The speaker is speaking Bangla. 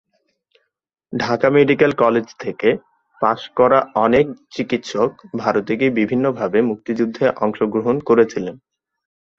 ঢাকা মেডিকেল কলেজ থেকে পাশ করা অনেক চিকিৎসক ভারতে গিয়ে বিভিন্নভাবে মুক্তিযুদ্ধে অংশগ্রহণ করেছিলেন।